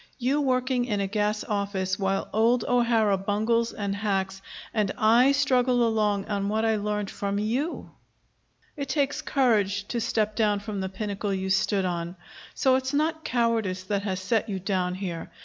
You working in a gas office, while old O'Hara bungles and hacks, and I struggle along on what I learned from you! It takes courage to step down from the pinnacle you stood on. So it's not cowardice that has set you down here.